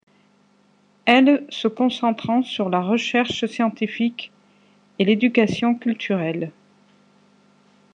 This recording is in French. Elle se concentrant sur la recherche scientifique et l'éducation culturelle.